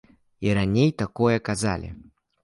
І раней такое казалі.